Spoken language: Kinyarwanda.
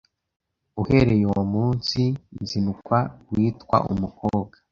uhereye uwomunsi nzinukwa uwitwa umukobwa